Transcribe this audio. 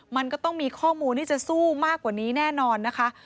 มันก็ต้องมีข้อมูลที่จะสู้มากกว่านี้แน่นอนนะคะ